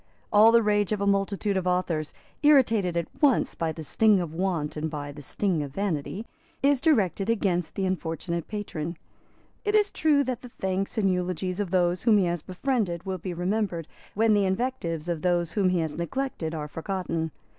All the rage of a multitude of authors, irritated at once by the sting of want and by the sting of vanity, is directed against the unfortunate patron. It is true that the thanks and eulogies of those whom he has befriended will be remembered when the invectives of those whom he has neglected are forgotten.